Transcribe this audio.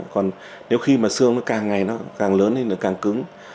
còn nếu khi xương càng ngày càng lớn càng cứng